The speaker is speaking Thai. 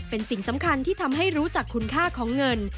เป็นสิ่งสำคัญที่ทำให้รู้จักคุณค่าของเงิน